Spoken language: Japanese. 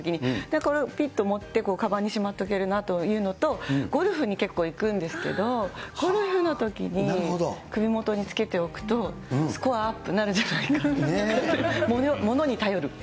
これをぴっと持ってかばんにしまっとけるなっていうのと、ゴルフに結構行くんですけど、ゴルフのときに、首元につけておくと、スコアアップなるんじゃないかって。